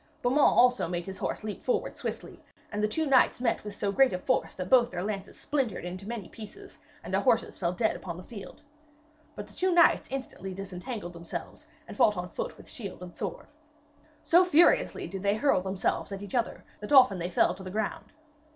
Beaumains also made his horse leap forward swiftly, and the two knights met with so great a force that both their lances splintered in many pieces, and their horses fell dead upon the field. But the two knights instantly disentangled themselves, and fought on foot with shield and sword. So furiously did they hurl themselves at each other that often they fell to the ground.